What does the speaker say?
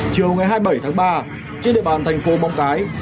chiều ngày hai mươi bảy tháng ba trên địa bàn thành phố móng cái